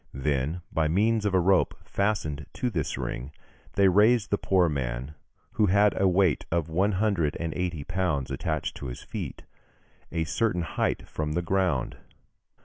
Then by means of a rope fastened to this ring, they raised the poor man, who had a weight of one hundred and eighty pounds attached to his feet, a certain height from the ground.